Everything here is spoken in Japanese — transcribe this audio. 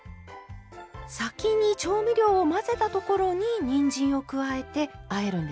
先に調味料を混ぜたところににんじんを加えてあえるんですね。